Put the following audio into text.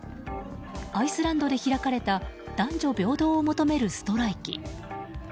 アイスランドで開かれた男女平等を求めるストライキ。